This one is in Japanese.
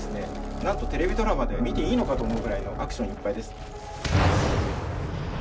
なんとテレビドラマで見ていいのか？と思うくらいのアクションいっぱいです。